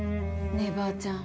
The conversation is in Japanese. ねえばあちゃん。